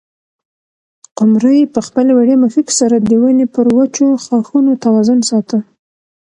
قمرۍ په خپلې وړې مښوکې سره د ونې پر وچو ښاخونو توازن ساته.